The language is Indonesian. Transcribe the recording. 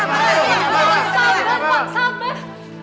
sabar pak sabar